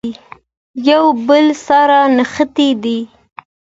یو بل سره نښتي دي.